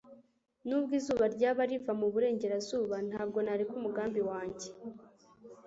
nubwo izuba ryaba riva mu burengerazuba, ntabwo nareka umugambi wanjye